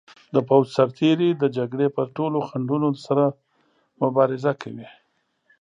د پوځ سرتیري د جګړې پر ټولو ځنډونو سره مبارزه کوي.